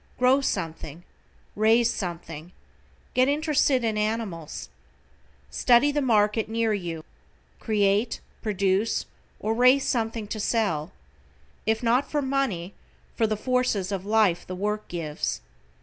Grow something, raise something, get interested in animals. Study the market near you, create, produce, or raise something to sell. If not for money, for the forces of life the work gives.